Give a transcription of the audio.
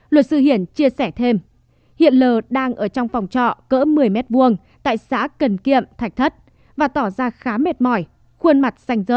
luật sư hiển chia sẻ thêm hiện l đang ở trong phòng trọ cỡ một mươi m hai tại xã cần kiệm thạch thất và tỏ ra khá mệt mỏi khuôn mặt sành dỡ